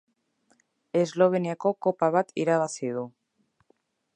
Esloveniako Kopa bat irabazi du.